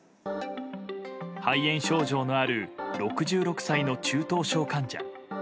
肺炎症状のある６６歳の中等症患者。